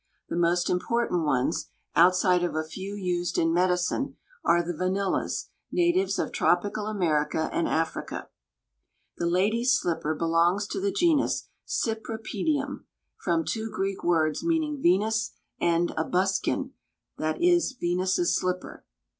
The most important ones, outside of a few used in medicine, are the vanillas, natives of tropical America and Africa. The lady's slipper belongs to the genus Cypripedium (from two Greek words meaning Venus and a buskin, that is, Venus' slipper).